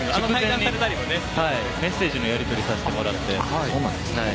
メッセージのやり取りさせてもらって。